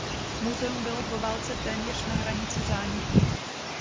Muzeum bylo po válce téměř na hranici zániku.